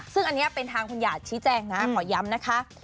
ซึ่งอันนี้เป็นทางคุณหยาดชี้แจงนะขอย้ำนะคะ